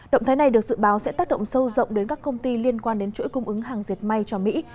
động thái này được dự báo sẽ tác động sâu rộng đến các công ty liên quan đến chuỗi cung ứng hàng diệt may cho mỹ